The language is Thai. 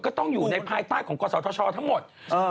ก็ต้องอยู่ในภายใต้ของกษัตริย์ธรรมชาติทั้งหมด